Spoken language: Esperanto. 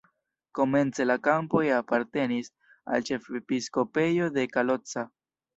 Komence la kampoj apartenis al ĉefepiskopejo de Kalocsa.